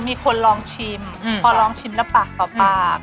มีคนลองชิมพอลองชิมแล้วปากต่อปาก